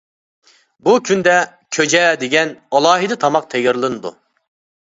بۇ كۈندە «كۆجە» دېگەن ئالاھىدە تاماق تەييارلىنىدۇ.